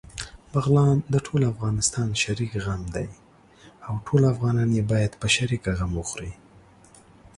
بغلان دټول افغانستان شريک غم دی، او ټول افغانان يې باېد په شريکه غم وخوري